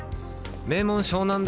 名門湘南大